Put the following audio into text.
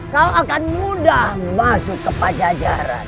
kau akan mudah masuk ke pajajaran